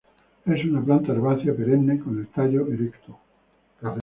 Es una planta herbácea perenne con el tallo erecto.